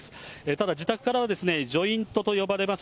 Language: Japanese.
ただ、自宅からはジョイントと呼ばれます